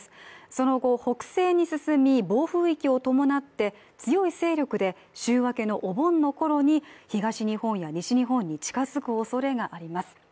その後、北西に進み、暴風域を伴って強い勢力で週明けのお盆のころに東日本や西日本に近づくおそれがあります。